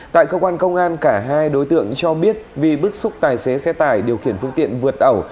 tại cơ quan công an cả hai đối tượng cho biết vì bức xúc tài xế xe tải điều khiển phương tiện vượt ẩu